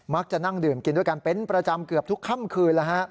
มักจะนั่งดื่มกินด้วยกันเกือบทุกค่ำคืน